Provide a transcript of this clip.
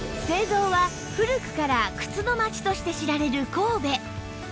製造は古くから靴の街として知られる神戸